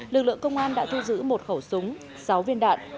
lực lượng công an đã thu giữ một khẩu súng sáu viên đạn